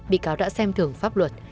bị cáo đã xem thường pháp luật